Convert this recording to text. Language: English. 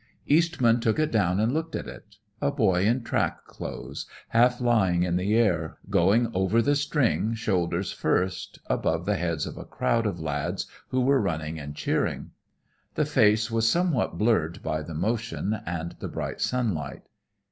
Eastman took it down and looked at it; a boy in track clothes, half lying in the air, going over the string shoulders first, above the heads of a crowd of lads who were running and cheering. The face was somewhat blurred by the motion and the bright sunlight.